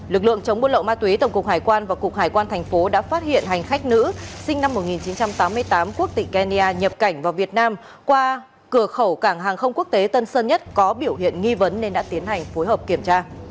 lực lượng chống buôn lậu ma túy tổng cục hải quan và cục hải quan thành phố đã phát hiện hành khách nữ sinh năm một nghìn chín trăm tám mươi tám quốc tịch kenya nhập cảnh vào việt nam qua cửa khẩu cảng hàng không quốc tế tân sơn nhất có biểu hiện nghi vấn nên đã tiến hành phối hợp kiểm tra